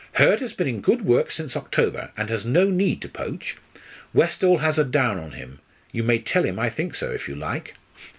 "Hurd has been in good work since October, and has no need to poach. Westall has a down on him. You may tell him I think so, if you like."